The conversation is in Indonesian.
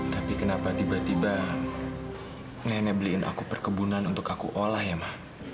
tapi kenapa tiba tiba nenek beliin aku perkebunan untuk aku olah ya mah